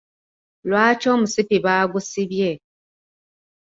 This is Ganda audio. Lwaki omusipi baagusibye?